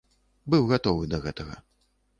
Быў гатовы да гэтага.